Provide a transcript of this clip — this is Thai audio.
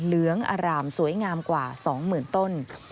เหลืองอร่ามสวยงามกว่า๒๐๐๐ต้น